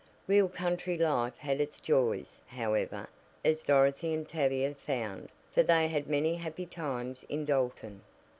Real country life had its joys, however, as Dorothy and Tavia found, for they had many happy times in Dalton.